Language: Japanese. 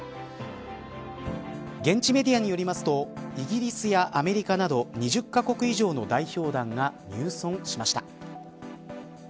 現地メディアによりますとイギリスやアメリカなど２０か国以上の代表団が入村しました。